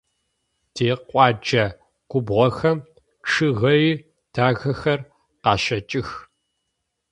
Тикъоджэ губгъохэм чъыгэе дахэхэр къащэкӏых.